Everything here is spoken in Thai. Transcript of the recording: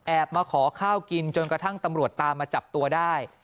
มาขอข้าวกินจนกระทั่งตำรวจตามมาจับตัวได้